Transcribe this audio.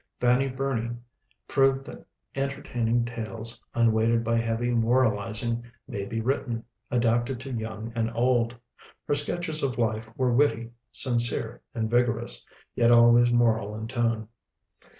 Fanny Burney proved that entertaining tales, unweighted by heavy moralizing, may be written, adapted to young and old. Her sketches of life were witty, sincere, and vigorous, yet always moral in tone.